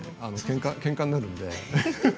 けんかになるので。